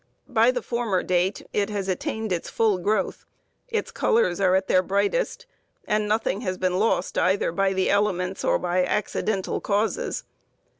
By the former date it has attained its full growth, its colors are at their brightest, and nothing has been lost either by the elements or by accidental causes.